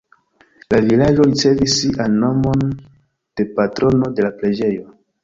La vilaĝo ricevis sian nomon de patrono de la preĝejo.